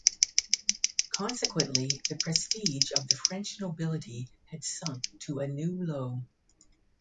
Consequently, the prestige of the French nobility had sunk to a new low.